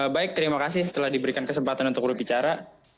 baik terima kasih telah diberikan kesempatan untuk berbicara